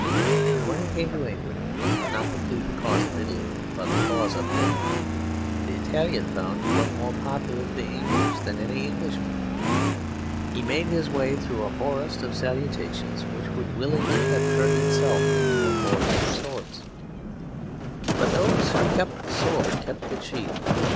And when he came to England, not to plead the cause of Italy but the cause of Denmark, the Italian found he was more popular with the English than any Englishman. He made his way through a forest of salutations, which would willingly have turned itself into a forest of swords. But those who kept the sword kept it sheathed.